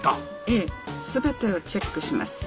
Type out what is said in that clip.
ええ全てをチェックします。